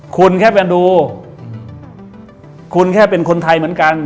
คุณแค่ไปดูคุณแค่เป็นคนไทยเหมือนกัน